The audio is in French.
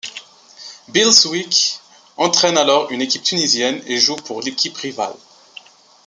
Bill Sweek entraîne alors une équipe tunisienne et joue pour l'équipe rivale.